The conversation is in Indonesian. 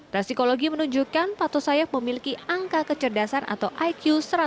resikologi menunjukkan pato sayaf memiliki angka kecerdasan atau iq satu ratus tiga puluh enam